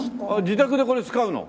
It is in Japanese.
自宅でこれ使うの？